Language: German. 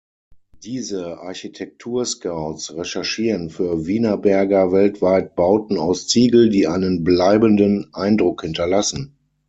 Diese „Architektur-Scouts“ recherchieren für Wienerberger weltweit Bauten aus Ziegel, die einen bleibenden Eindruck hinterlassen.